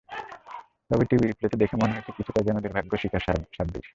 তবে টিভি রিপ্লেতে দেখে মনে হয়েছে কিছুটা যেন দুর্ভাগ্যের শিকার সাব্বির।